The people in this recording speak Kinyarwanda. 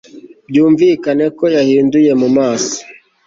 byumvikane ko yahinduye mu maso